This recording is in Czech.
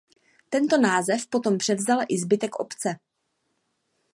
Tento název potom převzal i zbytek obce.